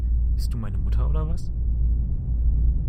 Bist du meine Mutter oder was?